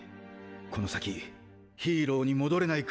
この先ヒーローに戻れないかもしれない。